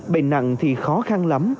bệnh nặng thì khó khăn lắm